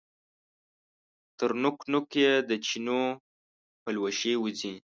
تر نوک، نوک یې د چینو پلوشې وځي